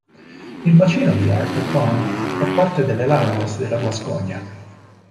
Il bacino di Arcachon fa parte delle "Landes" della Guascogna.